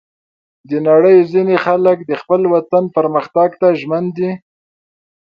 د نړۍ ځینې خلک د خپل وطن پرمختګ ته ژمن دي.